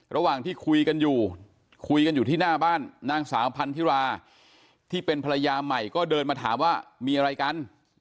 ระหว่างที่คุยกันอยู่คุยกันอยู่ที่หน้าบ้านนางสาวพันธิราที่เป็นภรรยาใหม่ก็เดินมาถามว่ามีอะไรกัน